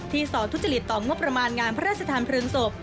ที่ส่อทุจริตต่องบประมาณงานพระราชสถานพรึงศพ